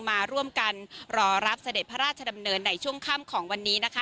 มาร่วมกันรอรับเสด็จพระราชดำเนินในช่วงค่ำของวันนี้นะคะ